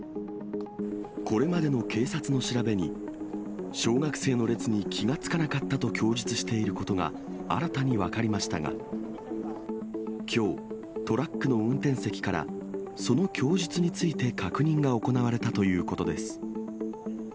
これまでの警察の調べに、小学生の列に気が付かなかったと供述していることが、新たに分かりましたが、きょう、トラックの運転席からその供述について確認が行われたということです。